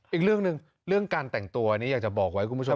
อีกเรื่องหนึ่งเรื่องการแต่งตัวนี้อยากจะบอกไว้คุณผู้ชม